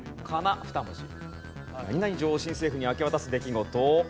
何々城を新政府に明け渡す出来事。